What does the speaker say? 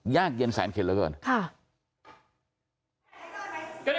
ยากเย็นแสนเข็นเหลือเกินค่ะ